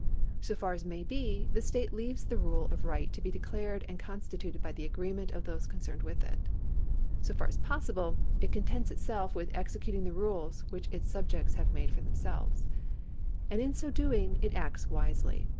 So far as may be, the state leaves the rule of right to be declared and constituted by the agree ment of those concerned with it. So far as possible, it con tents itself with executing the rules which its subjects have made for themselves. And in so doing it acts wisely.